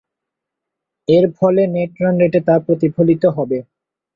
এরফলে net run রেটে তা প্রতিফলিত হবে।